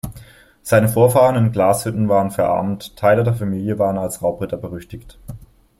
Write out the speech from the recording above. Seine Vorfahren in Glashütten waren verarmt, Teile der Familie waren als Raubritter berüchtigt.